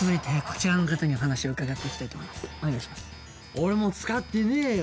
俺も使ってねえよ。